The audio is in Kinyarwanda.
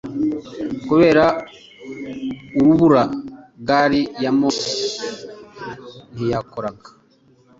Kubera urubura gari ya moshi ntiyakoraga